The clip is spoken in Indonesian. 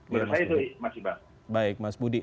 menurut saya itu masih banget